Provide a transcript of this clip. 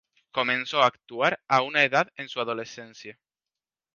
Comenzó a actuar a una edad en su adolescencia.